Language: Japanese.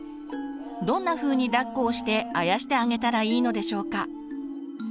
どんなふうにだっこをしてあやしてあげたらいいのでしょうか？